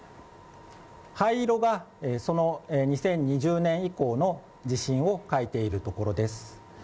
灰色がその２０２０年以降の地震を描いているところです。